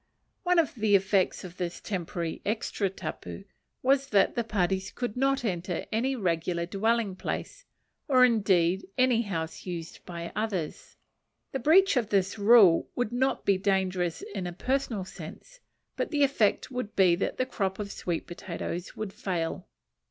One of the effects of this temporary extra tapu was that the parties could not enter any regular dwelling house, or, indeed, any house used by others. The breach of this rule would not be dangerous in a personal sense, but the effect would be that the crop of sweet potatoes would fail.